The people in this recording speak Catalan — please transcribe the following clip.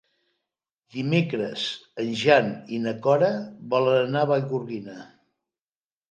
Dimecres en Jan i na Cora volen anar a Vallgorguina.